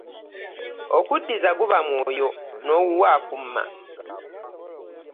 Okuddiza guba mwoyo n'owuwo akumma.